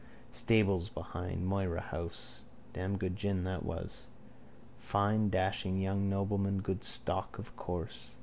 Stables behind Moira house. Damn good gin that was. Fine dashing young nobleman. Good stock, of course.